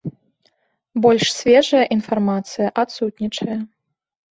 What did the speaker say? Больш свежая інфармацыя адсутнічае.